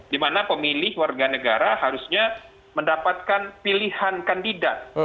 dimana pemilih warga negara harusnya mendapatkan pilihan kandidat